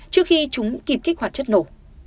trước khi chúng kịp kích hoạt chất nổ